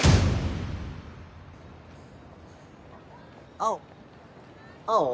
青青？